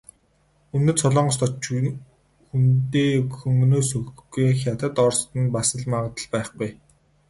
Өмнөд Солонгост очиж хүндээ хөнгөнөөс өгөхгүй, Хятад, Орост нь бас л магадлал байхгүй.